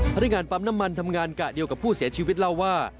พนักงานปั๊มน้ำมันทำงานกะเดียวกับผู้เสียชีวิตเล่าว่า